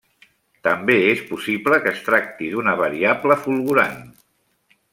També és possible que es tracti d'una variable fulgurant.